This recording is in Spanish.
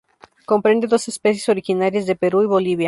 Comprende dos especies originarias de Perú y Bolivia.